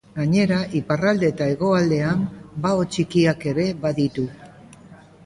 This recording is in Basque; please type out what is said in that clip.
Gainera, iparralde eta hegoaldean bao txikiak ere baditu.